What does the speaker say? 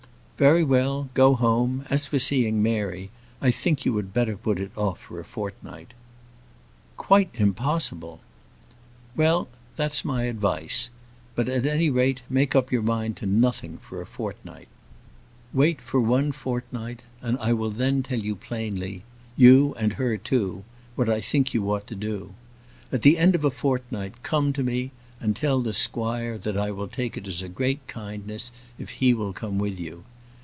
"Very well, go home: as for seeing Mary, I think you had better put it off for a fortnight." "Quite impossible." "Well, that's my advice. But, at any rate, make up your mind to nothing for a fortnight. Wait for one fortnight, and I then will tell you plainly you and her too what I think you ought to do. At the end of a fortnight come to me, and tell the squire that I will take it as a great kindness if he will come with you.